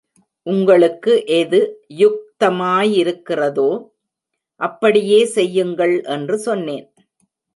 உங்களுக்கு எது யுக்தமாயிருக்கிறதோ அப்படியே செய்யுங்கள் என்று சொன்னேன்.